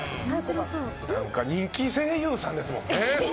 人気声優さんですもんね。